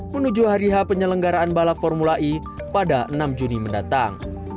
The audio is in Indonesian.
menuju hari h penyelenggaraan balap formula e pada enam juni mendatang